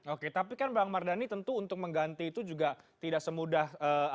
oke tapi kan bang mardhani tentu untuk mengganti itu juga tidak semudah